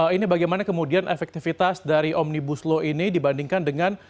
ini bagaimana kemudian efektivitas dari omnibus law ini dibandingkan dengan